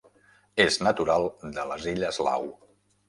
És natural de les Illes Lau.